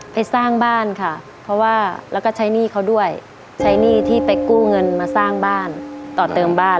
ไปสร้างบ้านค่ะเพราะว่าแล้วก็ใช้หนี้เขาด้วยใช้หนี้ที่ไปกู้เงินมาสร้างบ้านต่อเติมบ้าน